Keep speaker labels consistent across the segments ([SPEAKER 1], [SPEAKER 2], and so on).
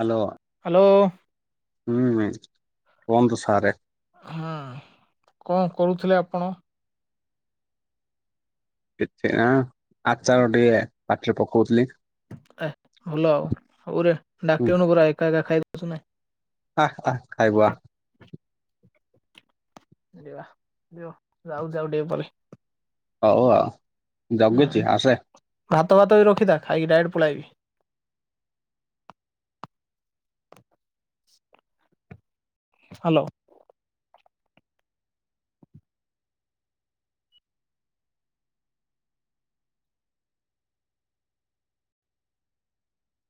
[SPEAKER 1] Hello
[SPEAKER 2] hello
[SPEAKER 1] କୁହନ୍ତୁ ସାରେ।
[SPEAKER 2] ହୁଁ କଣ କରୁଥିଲେ ଆପଣ?
[SPEAKER 1] କିଛି ନାହିଁ ଆଚାର ଟିକେ ପାଟିରେ ପକଉଥିଲି।
[SPEAKER 2] ଏ ଭଲ ଆଉ ହଉରେ
[SPEAKER 1] ହୁଁ
[SPEAKER 2] ଡାକିବୁନୁ ପୁରା ଏକା ଏକା ଖାଇ ଦଉଛୁ ନାଇଁ।
[SPEAKER 1] ଆ, ଆ। ଖାଇବୁ ଆ।
[SPEAKER 2] ଯିବା ଜିବା ଯାଉଛି ଆଉ ଟିକେ ପରେ।
[SPEAKER 1] ହଉ ଆଉ।
[SPEAKER 2] ହଁ
[SPEAKER 1] ଜଗିଛି ଆସେ
[SPEAKER 2] ଭାତ ଭାତ ବି ରଖିଥା ଖାଇକି ଡାଇରେଟ୍ ପଳାଇବି। ହ୍ୟାଲୋ।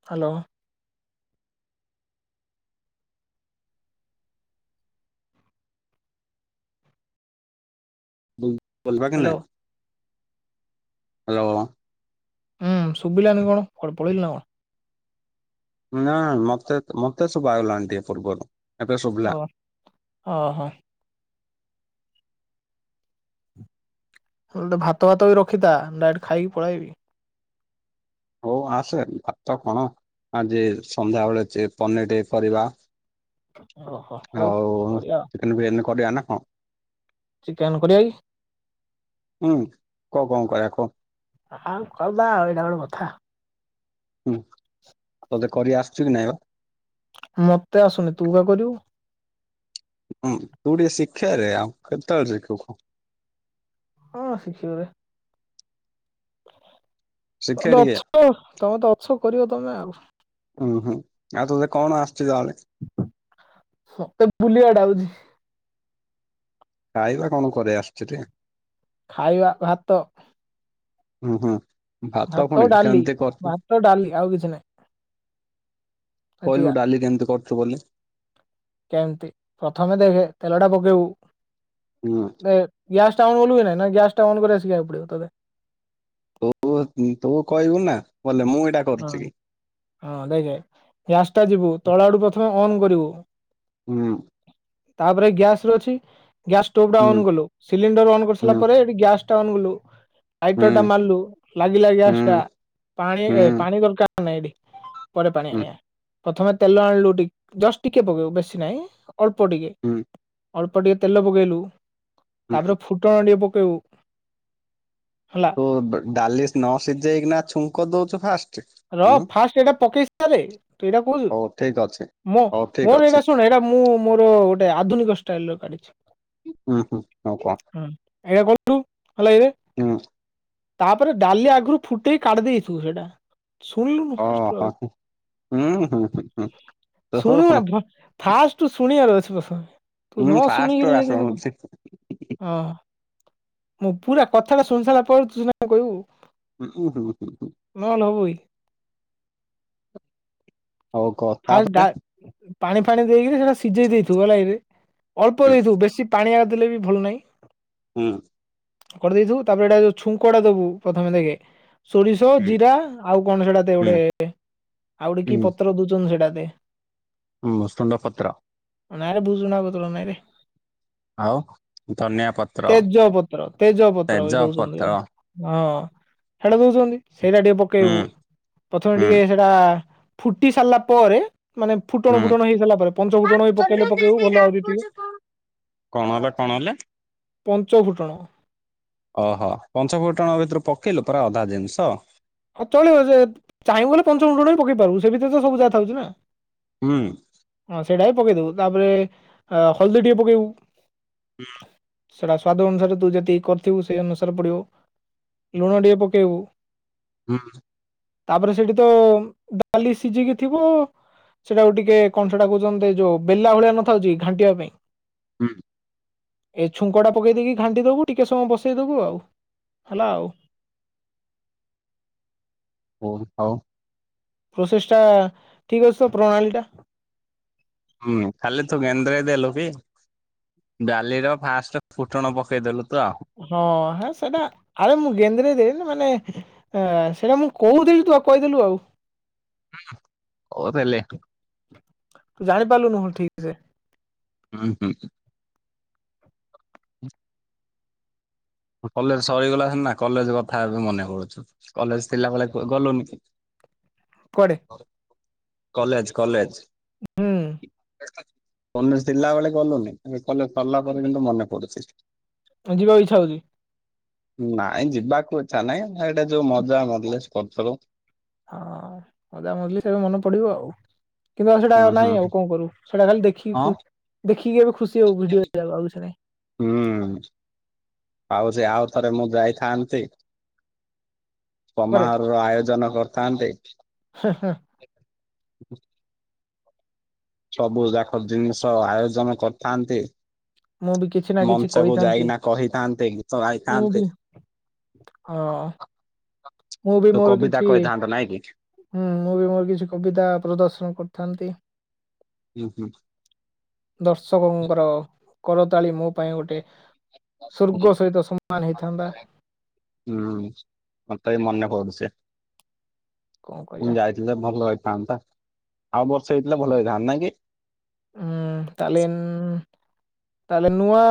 [SPEAKER 2] ହ୍ୟାଲୋ
[SPEAKER 1] ବଲିବା କି ନାଇ
[SPEAKER 2] ହ୍ୟାଲୋ
[SPEAKER 1] ହ୍ୟାଲୋ
[SPEAKER 2] ହୁଁ ଶୁଭିଲାନି କଣ କୁଆଡେ ପଳେଇଲୁ ନା କଣ?
[SPEAKER 1] ନା ମତେ ମତେ ସୁବାଗଲାନି ଟିକେ ପୂର୍ବରୁ। ଏବେ ଶୁଭିଲା
[SPEAKER 2] ଓ ଓହୋ ହେଲେ ଭାତ ଭାତ ବି ରଖିଥା ଡାଇରେକ୍ଟ ଖାଇକି ପଳେଇବି।
[SPEAKER 1] ହଉ ଆସେ ଭାତ କଣ, ଆଜି ସନ୍ଧ୍ୟାବେେଳେ ପନିର ଟିକେ କରିବା।
[SPEAKER 2] ଓହୋ
[SPEAKER 1] ହଉ
[SPEAKER 2] କରିବା ଆଉ।
[SPEAKER 1] ଚିକେନ ବିରିୟାନି କରିବା ନା କଣ?
[SPEAKER 2] ଚିକେନ କରିବା କି?
[SPEAKER 1] ହୁଁ କହ କଣ କରିବା କହ?
[SPEAKER 2] ହଁ କରିବା ଆଉ ଏଇଟା ଗୋଟେ କଥା।
[SPEAKER 1] ହୁଁ ତତେ କରି ଆସିଛି କି ନାଇଁ ବା?
[SPEAKER 2] ମତେ ଆସୁନି ତୁ ଏକା କରିବୁ।
[SPEAKER 1] ହଁ ତୁ ଟିକେ ଶିଖେରେ ଆଉ କେ ତେବେଳେ ଶିଖିବୁ?
[SPEAKER 2] ହଁ ଶିଖିଵିରେ।
[SPEAKER 1] ଶିଖେ
[SPEAKER 2] ତମେ
[SPEAKER 1] ଟିକେ
[SPEAKER 2] ଅଛ ତମେ ତ ଅଛ କରିବ ତମେ ଆଉ।
[SPEAKER 1] ହୁଁ ହୁଁ ଆଉ ତୋତେ କଣ ଆସୁଛି ତାହେଲେ?
[SPEAKER 2] ମତେ ବୁଲିବାଟା ଆଉଛି।
[SPEAKER 1] ଖାଇବା କଣ କରି ଆସିଛିରେ?
[SPEAKER 2] ଖାଇବା ଭାତ
[SPEAKER 1] ହୁଁ, ହୁଁ ଭାତ କଣ
[SPEAKER 2] ଡାଲି
[SPEAKER 1] କି [unintelligible]
[SPEAKER 2] ଭାତ ଡାଲି ଆଉ କିଛି ନାହିଁ ଏତିକା
[SPEAKER 1] କହିଲୁ ଡାଲି କେମତି କରୁଛୁ ବଲେ?
[SPEAKER 2] କେମିତି ପ୍ରଥମେ ଦେଖେ ତେଲଟା ପକେଇବୁ।
[SPEAKER 1] ହୁଁ
[SPEAKER 2] ଏ ଗ୍ୟାସ ଟା ଅନ କଲୁ ନା ନାଇଁ ନା ଗ୍ୟାସ ଟା ଅନ୍ କରିବା ଶିଖେଇବାକୁ ପଡିବ ତତେ?
[SPEAKER 1] ତୁ ତୁ କହିବୁ ନା ବଲେ ମୁଁ ଏଇଟା
[SPEAKER 2] ହଁ
[SPEAKER 1] କରୁଛି କି
[SPEAKER 2] ହଁ ଦେଖ୍ ଗ୍ୟାସ ଟା ଯିବୁ ତଳ ଆଡୁ ପ୍ରଥମେ ଅନ୍ କରିବୁ।
[SPEAKER 1] ହୁଁ
[SPEAKER 2] ତାପରେ ଗ୍ୟାସ ର ଅଛି ଗ୍ୟାସ ଷ୍ଟୋଭ ଟା
[SPEAKER 1] ହୁଁ
[SPEAKER 2] ଅନ୍ କଲୁ ସିଲିଣ୍ଡର ଅନ୍ କରିସାରିଲା
[SPEAKER 1] ହୁଁ
[SPEAKER 2] ପରେ ଏଠି ଗ୍ୟାସ ଟା ଅନ କଲୁ ଲାଇଟର
[SPEAKER 1] ହୁଁ
[SPEAKER 2] ଟା ମାରିଲୁ ଲାଗିଲା
[SPEAKER 1] ହୁଁ
[SPEAKER 2] ଗ୍ୟାସ୍ ଟା ପାଣି
[SPEAKER 1] ହୁଁ
[SPEAKER 2] ପାଣି ଦରକାର ନାହିଁ ଏଠି ପରେ ପାଣି
[SPEAKER 1] ହୁଁ
[SPEAKER 2] ଆଣିବା। ପ୍ରଥମେ ତେଲ ଆଣିଲୁ ଟିକ ଜଷ୍ଟ ଟିକେ ପକେଇବୁ ବେଶୀ ନାହିଁ। ଅଳ୍ପ ଟିକେ
[SPEAKER 1] ହୁଁ
[SPEAKER 2] ଅଳ୍ପ ଟିକେ ତେଲ ପକେଇଲୁ
[SPEAKER 1] ହୁଁ
[SPEAKER 2] ତାପରେ ଫୁ ଫୁଟଣ ଟିକେ ପକାଇବୁ ହେଲା?
[SPEAKER 1] ତୁ ଡାଲି ନ ସିଝେଇକିନା ଛୁଙ୍କ ଦଉଛୁ ଫାଷ୍ଟ?
[SPEAKER 2] ର
[SPEAKER 1] ହୁଁ
[SPEAKER 2] ଫାଷ୍ଟ ଏଇଟା ପକେଇ ସାରେ ତୁ ଏଇଟା [unintelligible]
[SPEAKER 1] ହଉ ଠିକ ଅଛି
[SPEAKER 2] ମୋ
[SPEAKER 1] ହଉ ଠିକ
[SPEAKER 2] ମୋର
[SPEAKER 1] ଅଛି
[SPEAKER 2] ଏଇଟା ଶୁଣ ଏଇଟା ମୁଁ ମୋର ଗୋଟେ ଆଧୁନିକ ଷ୍ଟାଇଲ ର କାଢ଼ିଛି।
[SPEAKER 1] ହୁଁ ହୁଁ ହଉ କହ
[SPEAKER 2] ହୁଁ, ଏୟା କଲୁ ହେଲା କିରେ?
[SPEAKER 1] ହୁଁ
[SPEAKER 2] ତାପରେ ଡାଲି ଆଗରୁ ଫୁଟେଇି କାଢି ଦେଇଥିବୁ ସେଇଟା। ଶୁଣିଲୁନୁ
[SPEAKER 1] ହଁ,
[SPEAKER 2] ଫାଷ୍ଟରୁ
[SPEAKER 1] ହଁ, ହୁଁ, ହୁଁ, ହୁଁ ହୁଁ ହଉ
[SPEAKER 2] ଶୁଣୁ
[SPEAKER 1] ହଉ
[SPEAKER 2] ନା ଫାଷ୍ଟ ଶୁଣିବାର [unintelligible] [unintelligible] ତୁ
[SPEAKER 1] ହୁଁ
[SPEAKER 2] ନ
[SPEAKER 1] ଫାଷ୍ଟ
[SPEAKER 2] ଶୁଣିକିରି
[SPEAKER 1] ଆସ।
[SPEAKER 2] [unintelligible] ଆ ମୁଁ ପୁରା କଥାଡ଼ା ଶୁଣି ସାରିଲା ପରେ ତୁ ସିନା କଇବୁ।
[SPEAKER 1] ହ୍ନୁ ହ୍ନୁ ହ୍ନୁ
[SPEAKER 2] [unintelligible]
[SPEAKER 1] ହଉ କ
[SPEAKER 2] ଆଉ
[SPEAKER 1] ତାପରେ
[SPEAKER 2] ତା ପାଣି ଫାଣି ଦେଇକିରି ସେଇଡ଼ା ସିଝେଇ ଦେଇଥିବୁ ହେଲା କିରେ। ଅଳ୍ପ
[SPEAKER 1] ହୁଁ
[SPEAKER 2] ଦେଇଥୁ ବେଶୀ ପାଣିଆଉ ଦେଲେ ବି ଭୁଲ୍ ନାଇଁ।
[SPEAKER 1] ହ୍ନୁ
[SPEAKER 2] କର୍ଦେଇଥିବୁ ତାପରେ ଏଇଡ଼ା ଯୋଉ ଛୁଙ୍କଟା ଦେବୁ ପ୍ରାଥମେ ଦେଖ। ସୋରିଷ
[SPEAKER 1] ହୁଁ
[SPEAKER 2] ଜିରା ଆଉ କଣ ସେଡ଼ା ତ
[SPEAKER 1] ହୁଁ
[SPEAKER 2] ଗୋଟେ [unintelligible]
[SPEAKER 1] ବୃସୁଙ୍ଗ ପତ୍ର।
[SPEAKER 2] ନାଇରେ ବୁଜୁନା ବଦଳ ନାଇଁରେ।
[SPEAKER 1] ଆଉ ଧନିଆ ପତ୍ର
[SPEAKER 2] ତେଜ୍ଵପତ୍ର ତେଜପତ୍ର
[SPEAKER 1] ତେଜ
[SPEAKER 2] ବି
[SPEAKER 1] ପତ୍ର
[SPEAKER 2] ଦଉଚନ୍ତି। ଆଁ ହେଡ଼ା ଦଉଚନ୍ତି। ସେଇଡ଼ା ଟିକେ
[SPEAKER 1] ହୁଁ
[SPEAKER 2] ପକେଇବୁ ପ୍ରଥମେ
[SPEAKER 1] ହୁଁ
[SPEAKER 2] ଟିକେ ହେଡ଼ା ଫୁଟି ସାର୍ଲା ପରେ ମାନେ ଫୁଟଣ
[SPEAKER 1] ହୁଁ।
[SPEAKER 2] ପୁଟଣ ହେଇ ସାର୍ଲା ପରେ ପଞ୍ଚ ଫୁଟଣ ଇ ପକେଇଲେ ପକେଇଉ ବଲ ଆଉରି ଟିଏ।
[SPEAKER 1] କଣ ଏଲା କଣ ଏଲା।?
[SPEAKER 2] ପଞ୍ଚଫୁଟଣ।
[SPEAKER 1] ଅହ ପଞ୍ଚ ଫୁଟଣ ଭିତରୁ ପକେଇଲୁ ପୁରା ଅଧା ଜିନ୍ଷ।
[SPEAKER 2] ଅଁ ଚଳିବ ଯେ ଚାହିଁବୁ ବଲେ ପଞ୍ଚ ଫୁଟଣ ବି ପକେଇ ପାରିବୁ ସେ ଭିତରେ ତ ସବୁ ଯାଥାଉଛି ନା
[SPEAKER 1] ହୁ ଉ
[SPEAKER 2] ହଁ ସେଇଡ଼ା ବି ପକେଇଦବୁ ତାପରେ ହଲ୍ଦୀ ଟିକେ ପକେଇବୁ
[SPEAKER 1] ହୁ
[SPEAKER 2] ସେଇଡ଼ା ସ୍ୱାଦ ଅନୁସାରେ ତୁ ଯେତିକି କର୍ଥିବୁ ସେଇ ଅନୁସାରେ ପଡ଼ିବ ଲୁଣ ଟିକେ ପକାଇବୁ।
[SPEAKER 1] ଉ
[SPEAKER 2] ତାପରେ ସେଇଡ଼ି ତ ଡାଲି ସିଜିକି ଥିବ। ସେଡ଼ାକୁ ଟିକେ କଣ ସେଟା କଉଛନ୍ତି ଯୋ ବେଲା ଭଳିଆ ନ ଥାଉଛି କି ଘାଣ୍ଟିବା ପାଇଁ।
[SPEAKER 1] ଉ
[SPEAKER 2] ଏ ଛୁଙ୍କଡ଼ା ପକେଇ ଦେଇକି ଘାଣ୍ଟି ଦବୁ ଟିକେ ସମୟ ବସେଇ ଦବୁ ଆଉ ହେଲା ଆଉ।
[SPEAKER 1] ହଉ ଆଉ।
[SPEAKER 2] ପ୍ରସେସ୍ ଟା ଠିକ୍ ଅସି ତ ପ୍ରଣାଳି ଟା।
[SPEAKER 1] ହୁଁ କାଲି ତୁ ଗେନ୍ଦ୍ରଇ ଦେଲୁ କି? ଡାଲିର ଫାଷ୍ଟ୍ ଫୁଟଣ ପକେଇଦେଲୁ ତ
[SPEAKER 2] ହଁ ହେଁ ସେଟା ଆରେ ମୁଁ ଗେନ୍ଦ୍ରେ ଦେନି ମାନେ ଏଁ ସେଇଡ଼ା ମୁଁ କଉଥିଲି ତୁ ଆଉ କଇଦେଲୁ ଆଉ।
[SPEAKER 1] ହୁଁଉଁ କଉଥିଲେ।
[SPEAKER 2] ଜାଣିପାର୍ନୁଲୁନୁ ହୁଁ ଠିକ୍ ସେ
[SPEAKER 1] ଉଁ ହୁଁ [inaudible] କଲେସ୍ ସରିଗଲା ସିନା କଲେଜ କଥା ଏବେ ମନେ ପଡ଼ୁଛି କଲେସ୍ ଥିଲାବେଳେ ତୁ ଗଲୁନି କି?
[SPEAKER 2] କୁଆଡ଼େ।
[SPEAKER 1] College college.
[SPEAKER 2] ହୁ
[SPEAKER 1] କନେଷ୍ ଥିଲା ବେଳେ ଗଲୁନି କଲେସ୍ ସର୍ଲା ପରେ କିନ୍ତୁ ମନେ ପଡ଼ୁଛି।
[SPEAKER 2] ଅଁ ଯିବାକୁ ଇଚ୍ଛା ହଉଚି।
[SPEAKER 1] ନାଇଁ ଯିବାକୁ ଇଚ୍ଚା ନାଇଁ ଏଇଡ଼ା ଯୋଉ ମଜା ମଜଲିସ୍ କର୍ଥୁଲୁ।
[SPEAKER 2] ଆ ମଜା ମଜ୍ଲିସ୍ ଏବେ ମନେ ପଡ଼ିବ ଆଉ କିନ୍ତୁ ଆଉ ସେଡ଼ା ଆଉ
[SPEAKER 1] ହୁଁ
[SPEAKER 2] ନାଇଁ ଆଉ
[SPEAKER 1] ହୁଁ
[SPEAKER 2] କଁ କରିବୁ ସେଇଡ଼ା ଖାଲି ଦେଖ ଖି ଖୁ ଦେଖିକି ଏବେ ଖୁସ୍
[SPEAKER 1] ଉଁ ଆଉ ସେ ଆଉ ଥରେ ମୁଁ ଯାଇଥାନ୍ତି।
[SPEAKER 2] ନାହିଁ
[SPEAKER 1] ପମା
[SPEAKER 2] କୁଆଡେ
[SPEAKER 1] ଘରୁ ଆୟୋଜନ କର୍ଥାନ୍ତି।
[SPEAKER 2] ହ ହ।
[SPEAKER 1] ସବୁ ଯାକ ଜିନିଷ ଆୟୋଜନ କରିଥାନ୍ତି।
[SPEAKER 2] ମୁଁ ବି କିଛି ନା କିଛି
[SPEAKER 1] ମଞ୍ଚକୁ
[SPEAKER 2] କହିଥାନ୍ତି
[SPEAKER 1] ଯାଇକିନା କହିଥାନ୍ତେ ଗୀତ ଗାଇଥାନ୍ତେ।
[SPEAKER 2] ହ। ମୁ ବି
[SPEAKER 1] ତୁ
[SPEAKER 2] ମୋର
[SPEAKER 1] କବିତା
[SPEAKER 2] କିଛି
[SPEAKER 1] କହିଥାନ୍ତୁ ନାଇଁ କି
[SPEAKER 2] ହୁଁ ମୁଁ ବି ମୋର କିଛି କବିତା ପ୍ରଦର୍ଶନ କରିଥାନ୍ତି।
[SPEAKER 1] ହୁ ହୁ।
[SPEAKER 2] ଦର୍ଶକଙ୍କର କରତାଳି ମୋ ପାଇଁ ଗୋଟେ
[SPEAKER 1] ହୁଁ
[SPEAKER 2] ସ୍ଵର୍ଗ ସହିତ ସମାନ ହେଇଥାନ୍ତା।
[SPEAKER 1] ହୁଁ ମତେ ଏଇ ମନେପଡୁଚି,
[SPEAKER 2] କଣ
[SPEAKER 1] ମୁ
[SPEAKER 2] କରିବା
[SPEAKER 1] ଯାଇ ଭଲ ହେଇଥାନ୍ତା ଆଉ ବର୍ଷ ହେଇଥିଲେ ଭଲ ହେଇଥାନ୍ତା ନାଇ କି?
[SPEAKER 2] ଉଁ ତାଲେ ଉଁ ତାଲେ ନୂଆ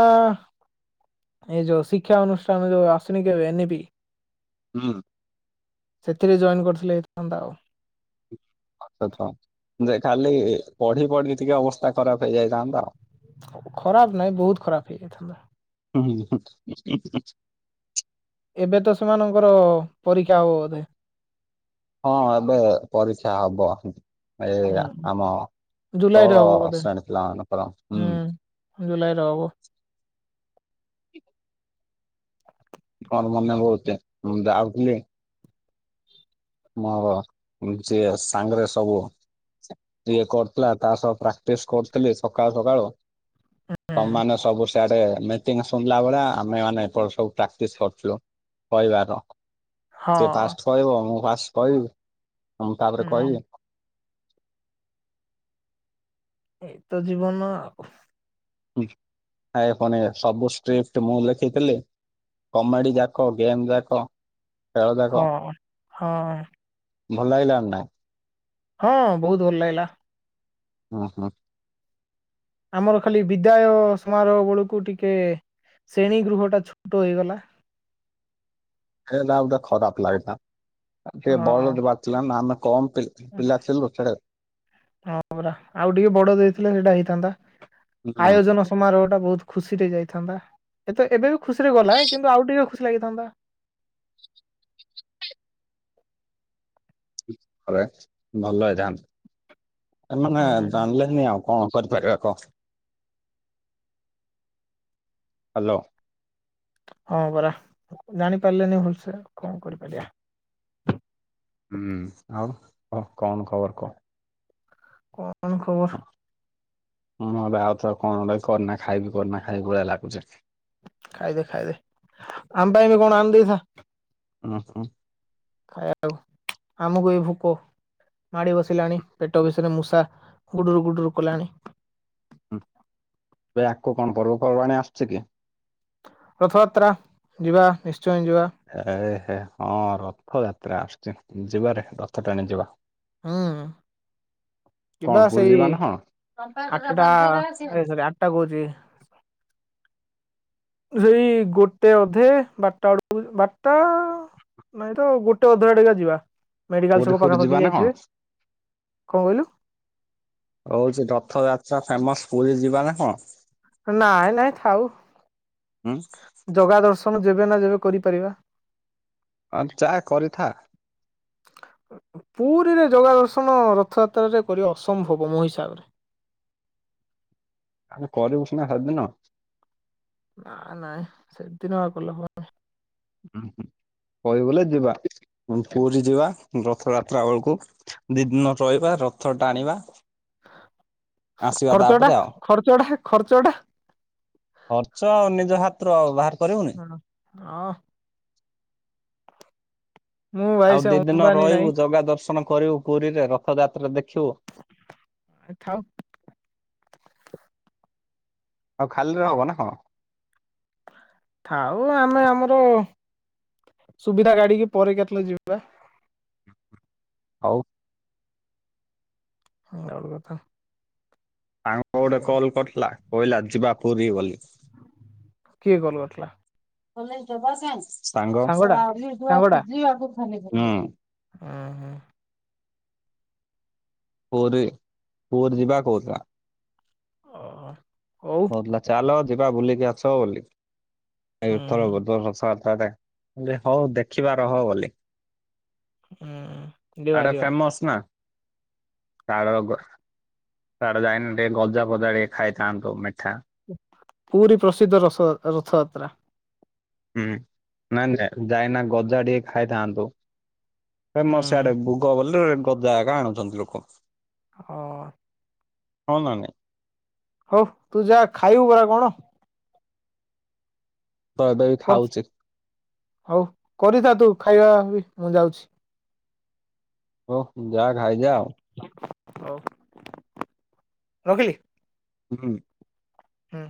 [SPEAKER 2] ଏଇ ଯୋଉ ଶିକ୍ଷା ଅନୁଷ୍ଠାନ ଯୋଉ ଆସୁନି କି ଏବେ ଏନିପି
[SPEAKER 1] ହୁଁ।
[SPEAKER 2] ସେଥିରେ ଜଏନ୍ କରିଥିଲେ ହେଇଥାନ୍ତା ଆଉ।
[SPEAKER 1] ଆଚ୍ଛା ଛ ଯେ ଖାଲି ପଢି ପଢିକି ଟିକେ ଅବସ୍ଥା ଖରାପ ହେଇଯାଇଥାନ୍ତା ଆଉ।
[SPEAKER 2] ଖରାପ ନାଇ ବହୁତ ଖରାପ ହେଇଯାଇଥାନ୍ତା।
[SPEAKER 1] ହୁଁ [unintelligible]
[SPEAKER 2] ଏବେ ତ ସେମାନଙ୍କର ପରୀକ୍ଷା ହବ ବୋଧେ?
[SPEAKER 1] ହଁ ଏବେ ପରୀକ୍ଷା ହବ। ଏ
[SPEAKER 2] ହୁଁ
[SPEAKER 1] ଆମ
[SPEAKER 2] ଜୁଲାଇରେ
[SPEAKER 1] ତଳ
[SPEAKER 2] ହବ ବୋଧେ
[SPEAKER 1] ଶ୍ରେଣୀ ପିଲା ମାନକର, ହୁଁ।
[SPEAKER 2] ଜୁଲାଇରେ ହବ।
[SPEAKER 1] କଣ ମନେ ବହୁତି ମୁଁ ଯାଉଥିଲି ମୋର ଯିଅ ସାଙ୍ଗରେ ସବୁ ଇଏ କରୁଥିଲା ତା ସହ ପ୍ରାକ୍ଟିସ କରୁଥିଲି ସକାଳୁ ସକାଳୁ ତମମାନେ ସବୁ ସେଆଡେ ମେ ମିଟିଙ୍ଗ୍ ଶୁଣିଲା ବେଳେ ଆମେ ମାନେ ଏପଟ ସବୁ ପ୍ରାକ୍ଟିସ କରୁଥିଲୁ କହିବାର ସେ
[SPEAKER 2] ହଁ
[SPEAKER 1] ଫାଷ୍ଟ କହିବ ମୁଁ ଫାଷ୍ଟ କହିବି ମୁଁ ତାପରେ
[SPEAKER 2] ହୁଁ
[SPEAKER 1] କହିବି।
[SPEAKER 2] ଏଇ ତ ଜୀବନ ଆଉ।
[SPEAKER 1] ଆଉ ଫୁଣି ସବୁ ଷ୍ଟ୍ରିପ୍ଟ ମୁଁ ଲେଖିଥିଲି। କମେଡି ଯାକ ଗେମ୍ ଯାକ ଖେଳ ଯାକ,
[SPEAKER 2] ହଁ। ହଁ
[SPEAKER 1] ଭଲ ଲାଗିଲା ନା ନାଇ?
[SPEAKER 2] ହଁ ବହୁତୁ ଭଲ ଲାଗିଲା।
[SPEAKER 1] ହଁ ହଁ।
[SPEAKER 2] ଆମର ଖାଲି ବିଦାୟ ସମାରୋହ ବେଳକୁ ଟିକେ ଶ୍ରେଣୀ ଗୃହଟା ଛୋଟ ହେଇଗଲା।
[SPEAKER 1] ସେଇଟା ଗୋଟେ ଖରାପ ଲାଗିଲା ସିଏ
[SPEAKER 2] ହଁ।
[SPEAKER 1] ବଲ ଯିବାର ଥିଲା ନା ଆମେ କମ୍ ପିଲା ପିଲା ଥିଲୁ ଯେ
[SPEAKER 2] ହଁ ପରା ଆଉ ଟିକେ ବଡ ଦେଇଥିଲେ ସେଇଟା ହେଇଥାନ୍ତା
[SPEAKER 1] ହୁଁ
[SPEAKER 2] ଆୟୋଜନ ସମାରୋହ ଟା ବହୁତ ଖୁସିରେ ଯାଇଥାନ୍ତା ଏତେ ଏବେ ବି ଖୁସିରେ ଗଲା କିନ୍ତୁ ଆଉ ଟିକେ ଖୁସି ଲାଗିଥାନ୍ତା।
[SPEAKER 1] ହରେ ଭଲ ହେଇଥାନ୍ତା, ଏମାନେ
[SPEAKER 2] ହୁଁ,
[SPEAKER 1] ଜାଣିଲେ ନାଇଁ ଆଉ କଣ କରିପାରିବା କହ, ହ୍ୟାଲୋ।
[SPEAKER 2] ହଁ ପରା ଜାଣିପାରିଲେନି ଭଲସେ କଁ କରିପାରିବା।
[SPEAKER 1] ହୁଁ ଆଉ ହ କଣ ଖବର କହ?
[SPEAKER 2] କହ କଣ ଖବର?
[SPEAKER 1] ହୁଁ ମୁଁ ଏବେ ଆଉଥରେ କଣ ଗୋଟେ କରିନା ଖାଇବି କରିନା ଖାଇବି ଭଳିଆ ଲାଗୁଚେ।
[SPEAKER 2] ଖାଇବେ ଖାଇବେ ଆମ ପାଇଁ ବି କଣ ଆଣିଦେଇଥା।
[SPEAKER 1] ଉଁ ଉଁ।
[SPEAKER 2] ଖାଇଆ ଆକୁ ଆମକୁ ବି ଭୋକ ମାଡି ବସିଲାଣି ପେଟ ବିଷୟରେ ମୂଷା ଗୁଡୁରୁ ଗୁଡୁରୁ କଲାଣି।
[SPEAKER 1] ହୁଁ ଏ ଆଗକୁ କଣ ପର୍ବପବାଣୀ ଆସୁଚି କି?
[SPEAKER 2] ରଥଯାତ୍ରା ଯିବା ନିଶ୍ଚୟ ଯିବା।
[SPEAKER 1] ଏ ହେ ହଁ ରଥଯାତ୍ରା ଆସୁଛି ଯିବାରେ ରଥ ଟାଣି ଯିବା।
[SPEAKER 2] ହୁଁ।
[SPEAKER 1] କଣ
[SPEAKER 2] ଯିବା
[SPEAKER 1] ପୁରୀ
[SPEAKER 2] ସେଇ
[SPEAKER 1] ନା କଣ?
[SPEAKER 2] ଆଠଟା ଏ ସରି ଆଠଟା କହୁଚି ସେଇ ଗୋଟେ ଅଧେ ବାରଟାବେଳକୁ ବାରଟା ନାଇଁ ତ ଗୋଟେ ଅଧେ ଆଡେକେ ଯିବା ମେଡିକାଲ
[SPEAKER 1] ପୁରୀ
[SPEAKER 2] ଛକ
[SPEAKER 1] ଫୁରୀ
[SPEAKER 2] ପାଖାପାଖି
[SPEAKER 1] ଯିବା
[SPEAKER 2] ହେଇ
[SPEAKER 1] ନା କଣ?
[SPEAKER 2] ଯାଇଥିବେ କଣ କହିଲୁ?
[SPEAKER 1] ଆଉ ସେ ରଥଯାତ୍ରା ଫେମସ ପୁରୀ ଯିବା ନା କଣ?
[SPEAKER 2] ନାଇଁ ନାଇଁ ଥାଉ।
[SPEAKER 1] ଉଁ।
[SPEAKER 2] ଜଗା ଦର୍ଶନ ଯେବେ ନା ଯେବେ କରିପାରିବା।
[SPEAKER 1] ଆ ଚା କରିଥା।
[SPEAKER 2] [unintelligible] ପୁରୀରେ ଯଗା ଦର୍ଶନ ରଥଯାତ୍ରାରେ କରିବା ଅସମ୍ଭବ ମୋ ହିସାବରେ।
[SPEAKER 1] ଆମେ କରିବୁ ସିନା ହେଦିନ
[SPEAKER 2] ନା ନାଇଁ ସେଦିନ ଆଉ କଲେ ହବ
[SPEAKER 1] ହୁଁ ହୁଁ କହିବୁ ବଲେ ଯିବା ପୁରୀ ଯିବା ରଥଯାତ୍ରା ବେଳକୁ। ଦି ଦିନ ରହିବା ରଥ ଟାଣିବା। ଆସିବା
[SPEAKER 2] ଖର୍ଚ୍ଚ ଟା
[SPEAKER 1] ତାପରେ ଆଉ
[SPEAKER 2] ଖର୍ଚଡ଼ା ଖର୍ଚ୍ଚଡା?
[SPEAKER 1] ଖର୍ଚ୍ଚ ନିଜ ହାତ୍ର ବାହାର କରିବୁନି।
[SPEAKER 2] ଅ ମୁଁ ଭାଇ
[SPEAKER 1] ଆଉ
[SPEAKER 2] ସେ
[SPEAKER 1] ଦି ଦିନ
[SPEAKER 2] ଅମ୍ବାନୀ ନାଇଁ
[SPEAKER 1] ରହିବୁ ଜଗା ଦର୍ଶନ କରିବୁ ପୁରୀରେ ରଥଯାତ୍ରା ଦେଖିବୁ।
[SPEAKER 2] ଆ ଥାଉ।
[SPEAKER 1] ଆଉ ଖାଲି ରେ ହବ ନା କଁ?
[SPEAKER 2] ଥାଉ ଆମେ ଆମର ସୁବିଧା ଗାଡିକି ପରେ କେତେବେଳେ ଯିବା।
[SPEAKER 1] ହଉ
[SPEAKER 2] ହଁ ଆଉ କଥା
[SPEAKER 1] ସାଙ୍ଗ ଗଟେ କଲ କରିଥିଲା କହିଲା ଯିବା ପୁରୀ ବୋଲି।
[SPEAKER 2] କିଏ କଲ କରିଥିଲା?
[SPEAKER 1] ସାଙ୍ଗ
[SPEAKER 2] ସାଙ୍ଗଟା
[SPEAKER 1] ହୁଁ।
[SPEAKER 2] ହୁଁ ହୁଁ।
[SPEAKER 1] ପୁରୀ ପୁର୍ ଯିବା କହୁଥିଲା।
[SPEAKER 2] ଅ ଓଉ
[SPEAKER 1] ବିଲା ଚାଲ ଯିବା ବୁଲିକି ଆସ ବୋଲି ଏଇ
[SPEAKER 2] ହୁଁ
[SPEAKER 1] ତଳ ଗୋଦ ଘଷା ଯାତ୍ରା ଟା। ଇନ୍ଦେ ହ ଦେଖିବାରହ ବୋଲି।
[SPEAKER 2] ହୁଁ।
[SPEAKER 1] ଆଡା ଫେମସ ନା। ତାଳ ଗୋ ସିଆଡେଯାଇନି ଟିକେ ଗଜାଫଜା ଟିକେ ଖାଇଥାନ୍ତୁ ମିଠା।
[SPEAKER 2] ପୁରୀ ପ୍ରସିଦ୍ଧ ରସ ଯା ଯାତ ରଥଯାତ୍ରା।
[SPEAKER 1] ହୁଁ ନାଇଁ ଯାଇନା ଗଜା ଟିକେ ଖାଇଥାନ୍ତୁ।
[SPEAKER 2] ହୁଁ
[SPEAKER 1] ଫେମସ ସେଆଡେ ଗୁଗ ଗଲେ ଗଜା ହକା ଆଣୁଚନ୍ତି ଲୋକ।
[SPEAKER 2] ହଁ।
[SPEAKER 1] ହଁ ନା ନାଇଁ? ! ! ! ! ! ! ! ! ! ! ତ ଏବେ ଏଇ
[SPEAKER 2] କର
[SPEAKER 1] ଖାଉଚି।
[SPEAKER 2] ହଉ କରିଥା ତୁ ଖାଇବା ବି ମୁଁ ଯାଉଛି।
[SPEAKER 1] ହଉ ଯାଆ ଖାଇଯା ଆଉ।
[SPEAKER 2] ହଉ ରଖିଲି।
[SPEAKER 1] ହୁଁ।
[SPEAKER 2] ହୁଁ।